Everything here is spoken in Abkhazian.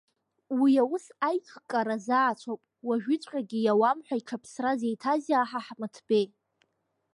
Уи аус аиҿкара заацәоуп, уажәыҵәҟагьы иауам ҳәа иҽаԥсра зеиҭазеи аҳ Аҳмыҭбеи?